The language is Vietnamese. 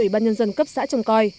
ủy ban nhân dân cấp xã trồng coi